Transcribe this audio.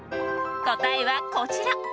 答えは、こちら。